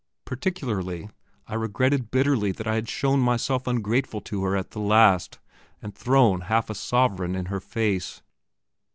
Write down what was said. Particularly, I regretted bitterly that I had shown myself ungrateful to her at the last, and thrown half a sovereign in her face....